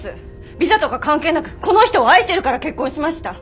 ビザとか関係なくこの人を愛してるから結婚しました。